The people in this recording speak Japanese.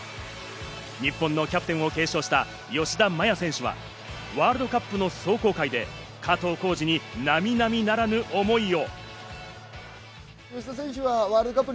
日本のキャプテンを継承した吉田麻也選手はワールドカップの壮行会で加藤浩次に並々ならぬ思いを。